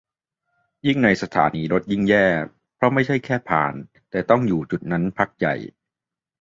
ยิ่งในสถานีรถยิ่งแย่ เพราะไม่ใช่แค่ผ่าน แต่ต้องอยู่จุดนั้นพักใหญ่